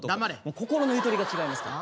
心のゆとりが違いますから。